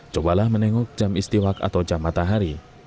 cobalah menengok jam istiwak atau jam matahari